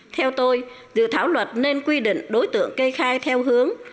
theo tôi dự thảo luật nên quy định đối tượng cây khai theo hướng